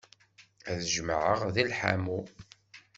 Ad t-jemɛeɣ deg lḥamu.